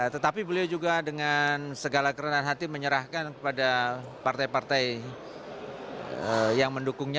tetapi beliau juga dengan segala kerenan hati menyerahkan kepada partai partai yang mendukungnya